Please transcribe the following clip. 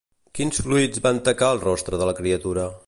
Quins fluids van tacar el rostre de la criatura?